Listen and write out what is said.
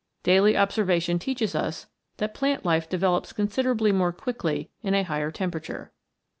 Daily observation teaches us that plant life develops considerably more quickly in a higher temperature.